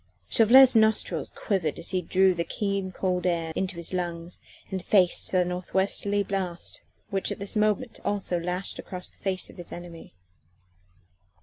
Chauvelin's nostrils quivered as he drew the keen, cold air into his lungs and faced the north westerly blast which at this moment also lashed the face of his enemy.